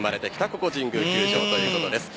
ここ神宮球場ということです。